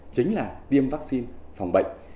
chính là tiêm vaccine phòng bệnh